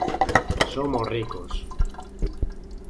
Somos ricos.